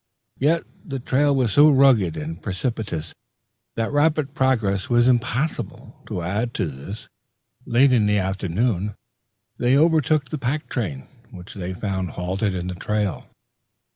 Yet the trail was so rugged and precipitous that rapid progress was impossible. To add to this, late in the afternoon they overtook the pack train, which they found halted in the trail.